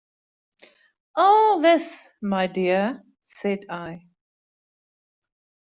"All this, my dear," said I.